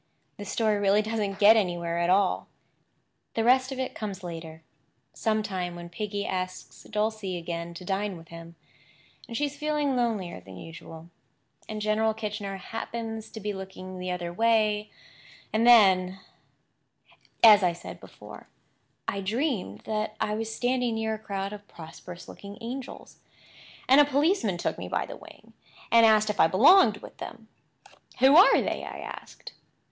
This story really doesn't get anywhere at all. The rest of it comes later—sometime when Piggy asks Dulcie again to dine with him, and she is feeling lonelier than usual, and General Kitchener happens to be looking the other way; and then— As I said before, I dreamed that I was standing near a crowd of prosperous looking angels, and a policeman took me by the wing and asked if I belonged with them. "Who are they?" I asked.